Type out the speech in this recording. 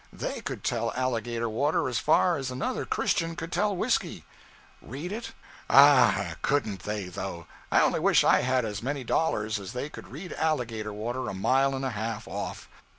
_They _could tell alligator water as far as another Christian could tell whiskey. Read it? Ah, couldn't they, though! I only wish I had as many dollars as they could read alligator water a mile and a half off.